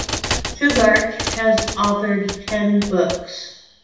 Shughart has authored ten books.